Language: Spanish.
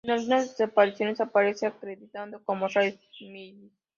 En algunas de sus apariciones aparece acreditado como "Red Mills".